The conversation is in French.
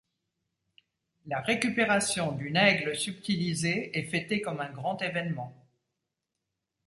La récupération d'une aigle subtilisée est fêtée comme un grand événement.